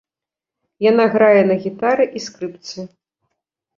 Яна грае на гітары і скрыпцы.